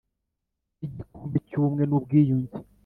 ry Igikombe cy Ubumwe n Ubwiyunge